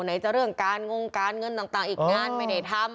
จะเรื่องการงงการเงินต่างอีกงานไม่ได้ทำ